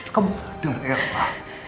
biar kamu sadar elsa